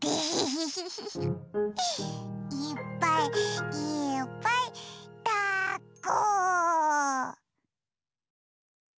いっぱいいっぱいだっこ！